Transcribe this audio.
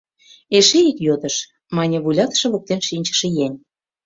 — Эше ик йодыш, — мане вуйлатыше воктен шинчыше еҥ.